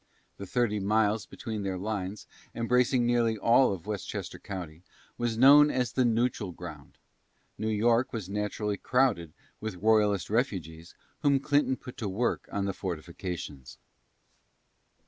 The thirty miles between their lines, embracing nearly all of Westchester County, was known as the "Neutral Ground." New York was naturally crowded with Royalist refugees, whom Clinton put to work on the fortifications.